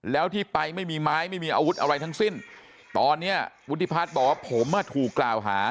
แล้วที่ไปไม่มีไม้ไม่มีอาวุธอะไรทั้งสิ้นตอนนี้วุฒิพัฒน์บอกว่าผมถูกกล่าวหา